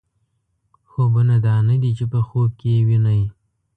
خوبونه دا نه دي چې په خوب کې یې وینئ.